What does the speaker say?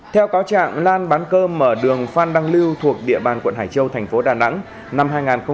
theo cáo trạng lan bán cơm ở đường phan đăng lưu thuộc địa bàn quận hải châu tp đà nẵng năm hai nghìn một mươi bảy